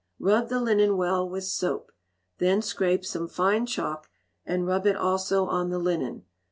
Rub the linen well with, soap; then scrape some fine chalk, and rub it also on the linen.